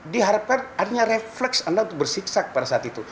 diharapkan adanya refleks anda untuk bersiksa pada saat itu